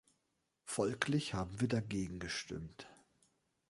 Folglich haben wir dagegen gestimmt.